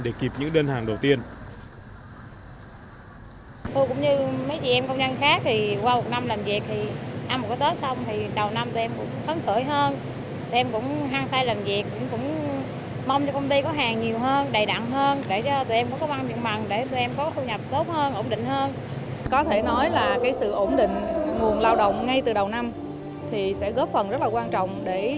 để kịp những đơn hàng đầu tiên